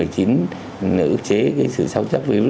để ước chế cái sự sao chắc covid một mươi chín